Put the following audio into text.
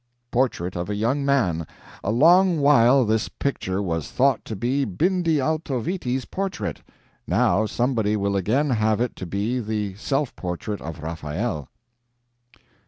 "Portrait of a young man. A long while this picture was thought to be Bindi Altoviti's portrait; now somebody will again have it to be the self portrait of Raphael."